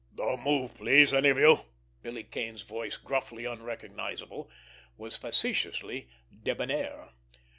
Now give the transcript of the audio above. "Don't move, please, any of you!" Billy Kane's voice, gruffly unrecognizable, was facetiously debonair.